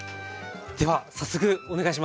では早速お願いします。